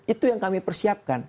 itu yang kami persiapkan